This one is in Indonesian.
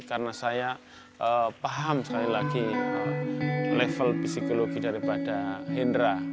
karena saya paham sekali lagi level psikologi daripada mahendra